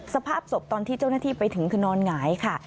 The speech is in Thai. สภาพศพตอนที่เจ้าหน้าที่ไปถึงคือนอนหงายค่ะ